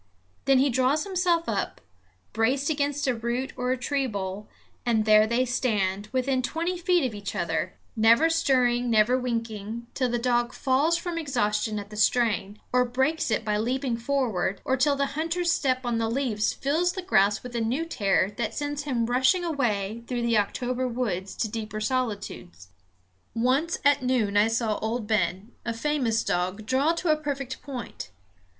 Then he draws himself up, braced against a root or a tree boll; and there they stand, within twenty feet of each other, never stirring, never winking, till the dog falls from exhaustion at the strain, or breaks it by leaping forward, or till the hunter's step on the leaves fills the grouse with a new terror that sends him rushing away through the October woods to deeper solitudes. Once, at noon, I saw Old Ben, a famous dog, draw to a perfect point.